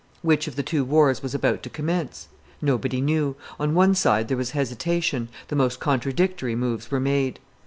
Which of the two wars was about to commence? Nobody knew; on one side there was hesitation; the most contradictory moves were made.